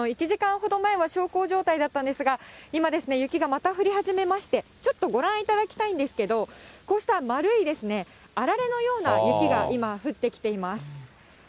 １時間ほど前は小康状態だったんですが、今、雪がまた降り始めまして、ちょっとご覧いただきたいんですけど、こうした丸い、あられのような雪が今、降ってきています。